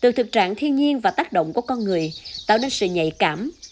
từ thực trạng thiên nhiên và tác động của con người tạo nên sự nhạy cảm